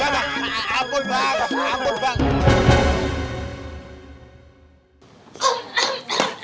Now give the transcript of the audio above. bapak ampun bang